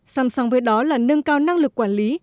xăm xong với đó là nâng cao năng lực quản lý